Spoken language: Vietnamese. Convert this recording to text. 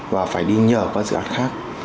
và phải đi nhờ các dự án khác